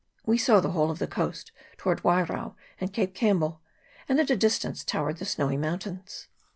We saw the whole of the coast towards Wairao and Cape Campbell, and at a dis tance towered the Snowy Mountains.